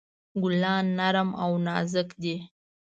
ګلان نرم او نازک دي.